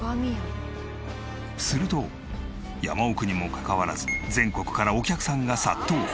すると山奥にもかかわらず全国からお客さんが殺到！